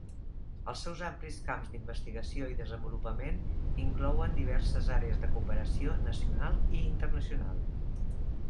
Els seus amplis camps d'investigació i desenvolupament inclouen diverses àrees de cooperació nacional i internacional.